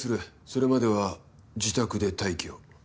それまでは自宅で待機を。